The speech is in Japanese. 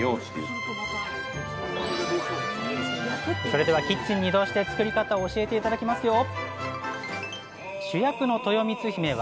それではキッチンに移動して作り方を教えて頂きますよ！